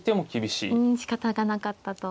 しかたがなかったと。